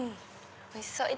おいしそう。